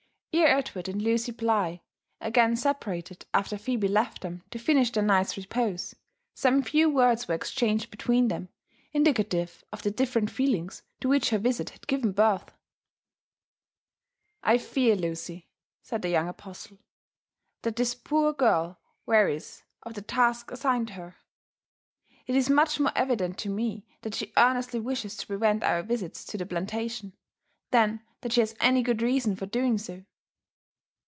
Ere Edward and Lucy Bligh again separated after Phebe left them to finish their night s repose, some few words were exchanged between them indicative of the different feelings to which her visit had given birth. ,•* I fear, Lucy," said the young apostle, '' that this poor girl wearies of the task assigned her. It is much more evident to me that she earnestly wishes to prevent our visits to the plantation, than that she has any good reason for doing so."